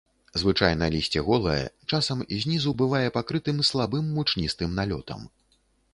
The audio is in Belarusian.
Звычайна лісце голае, часам знізу бывае пакрытым слабым мучністым налётам.